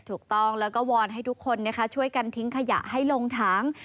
ถูกต้องแล้วก็วอนให้ทุกคนช่วยกันทิ้งขยะให้ลงถัง